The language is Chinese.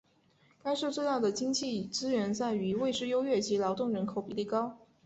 该市最大的经济资源在于位置优越及劳动人口比例高。